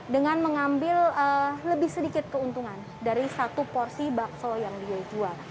dengan mengambil lebih sedikit keuntungan dari satu porsi bakso yang dia jual